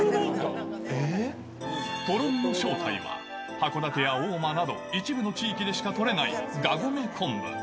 とろみの正体は、函館や大間など、一部の地域でしか取れないがごめ昆布。